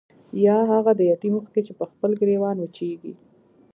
يا هاغه د يتيم اوښکې چې پۀ خپل ګريوان وچيږي